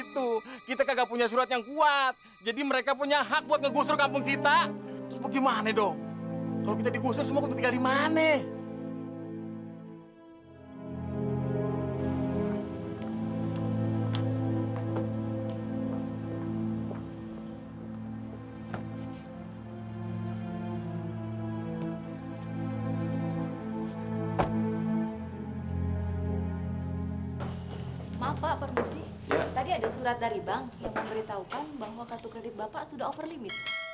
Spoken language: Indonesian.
tadi ada surat dari bank yang memberitahukan bahwa kartu kredit bapak sudah overlimit